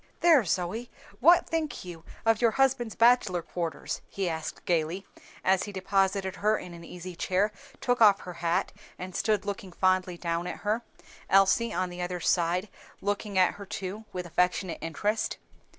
"There, Zoe, what think you of your husband's bachelor quarters?" he asked gayly, as he deposited her in an easy chair, took off her hat, and stood looking fondly down at her, Elsie on the other side, looking at her too with affectionate interest.